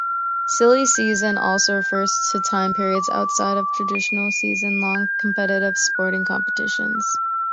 Silly Season also refers to time periods outside of traditional season-long competitive sporting competitions.